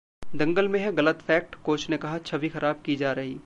दंगल में है 'गलत फैक्ट', कोच ने कहा- छवि खराब की जा रही